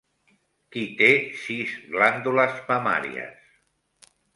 Qui té sis glàndules mamàries?